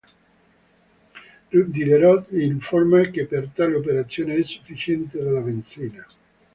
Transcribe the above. Diderot li informa che per tale operazione è sufficiente della benzina.